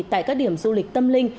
tại các điểm du lịch tâm linh